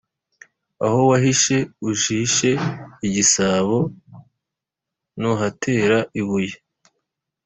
Aho wahishe (ujishe) igisabo, ntuhatera ibuye.